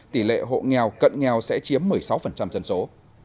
tỷ lệ hộ nghèo cận nghèo sẽ chiếm một mươi sáu dân số